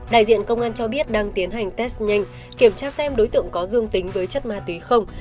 đại diện công an cho biết đang tiến hành test nhanh kiểm tra xem đối tượng có dương tính với chất ma túy không